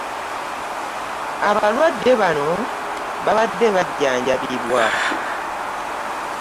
Abalwadde bano babadde bajjanjabibwa.